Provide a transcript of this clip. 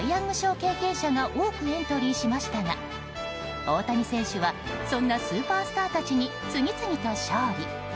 経験者が多くエントリーしましたが大谷選手はそんなスーパースターたちに次々と勝利。